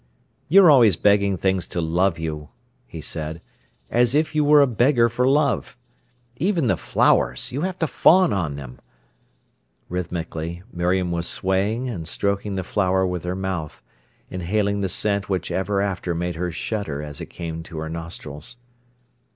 "You're always begging things to love you," he said, "as if you were a beggar for love. Even the flowers, you have to fawn on them—" Rhythmically, Miriam was swaying and stroking the flower with her mouth, inhaling the scent which ever after made her shudder as it came to her nostrils.